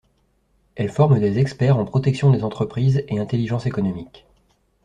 Elle forme des experts en protection des entreprises et intelligence économique.